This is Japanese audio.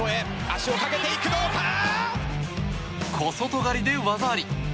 小外刈りで技あり。